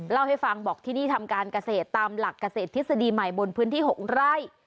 เล่าให้ฟังบอกที่นี่ทำการเกษตรตามหลักเกษตรทฤษฎีใหม่บนพื้นที่๖ไร่